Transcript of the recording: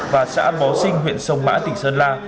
và xã bó sinh huyện sông mã tỉnh sơn la